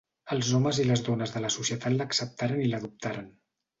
Els homes i les dones de la societat l'acceptaren i l'adoptaren.